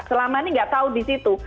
selama ini nggak tahu di situ